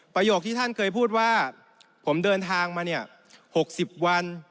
ประโยคที่ท่านเคยพูดว่าผมเดินทางมาเนี่ย๖๐วัน